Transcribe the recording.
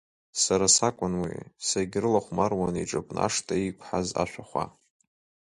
Сара сакәын уи, сегьрылахәмаруан иҿыпны ашҭа иқәҳаз ашәахәа.